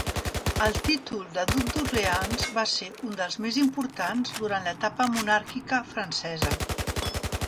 El títol de duc d'Orleans va ser un dels més importants durant l'etapa monàrquica francesa.